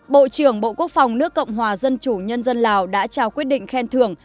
bộ trưởng bộ quốc phòng nước cộng hòa dân chủ nhân dân lào đã trao quyết định khen thưởng